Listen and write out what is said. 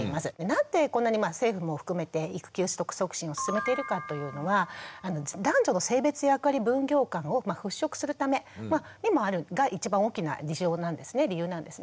なんでこんなに政府も含めて育休取得促進を進めているかというのは男女の性別役割分業感を払拭するためでもあるが一番大きな理由なんですね。